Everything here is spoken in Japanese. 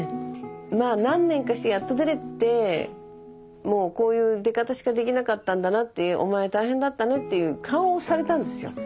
まあ何年かしてやっと出れてもうこういう出方しかできなかったんだなってお前大変だったねっていう顔をされたんですよ。